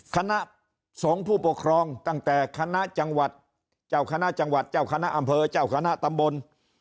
คณะสงฆ์ผู้ปกครองตั้งแต่คณะจังหวัดเจ้าคณะจังหวัดเจ้าคณะอำเภอเจ้าคณะตำบล